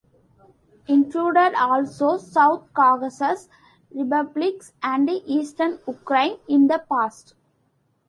Included also South Caucasus republics and Eastern Ukraine in the past.